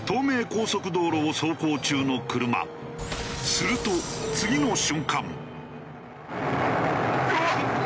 すると次の瞬間。